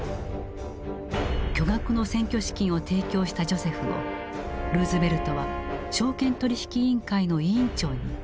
巨額の選挙資金を提供したジョセフをルーズベルトは証券取引委員会の委員長に抜擢した。